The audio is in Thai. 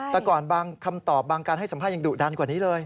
แต่ก่อนบางคำตอบบางการให้สัมภาษณ์ดุดันกว่านี้เลย